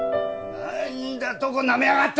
何だとなめやがって！